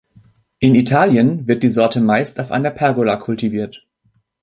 In Italien wird die Sorte meist auf einer Pergola kultiviert.